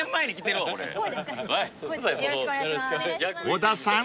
［小田さん